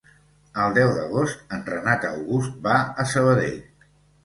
El deu d'agost en Renat August va a Sabadell.